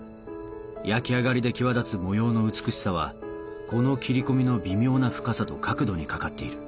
焼き上がりで際立つ模様の美しさはこの切り込みの微妙な深さと角度にかかっている